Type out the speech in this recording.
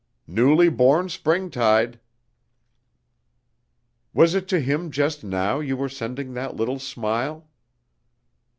"Newly born springtide!" "Was it to him just now you were sending that little smile?"